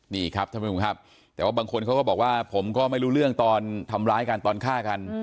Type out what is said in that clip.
นี่ครับท่านผู้ชมครับแต่ว่าบางคนเขาก็บอกว่าผมก็ไม่รู้เรื่องตอนทำร้ายกันตอนฆ่ากัน